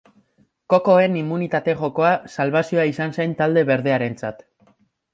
Kokoen immunitate jokoa salbazioa izan zen talde berdearentzat.